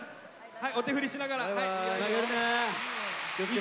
はいお手振りしながらはい。